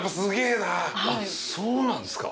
そうなんすか。